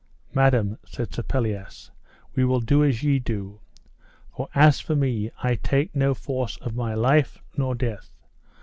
Madam, said Sir Pelleas, we will do as ye do, for as for me I take no force of my life nor death.